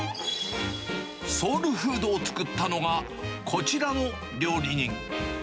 ソウルフードを作ったのが、こちらの料理人。